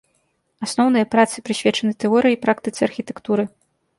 Асноўныя працы прысвечаны тэорыі і практыцы архітэктуры.